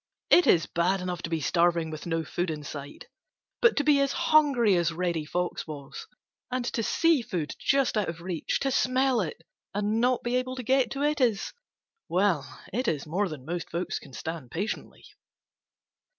It is bad enough to be starving with no food in sight, but to be as hungry as Reddy Fox was and to see food just out of reach, to smell it, and not be able to get it is,—well, it is more than most folks can stand patiently.